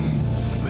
apa dia anak aku